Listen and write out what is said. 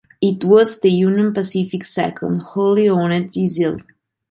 It was the Union Pacific's second wholly owned diesel.